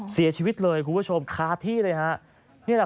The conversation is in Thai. เสียชีวิตเลยคุณผู้ชมคาที่เลยฮะ